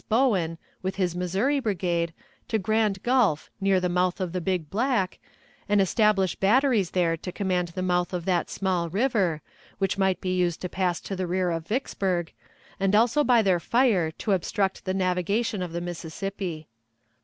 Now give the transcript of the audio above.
Bowen, with his Missouri Brigade, to Grand Gulf, near the mouth of the Big Black, and establish batteries there to command the mouth of that small river, which might be used to pass to the rear of Vicksburg, and also by their fire to obstruct the navigation of the Mississippi.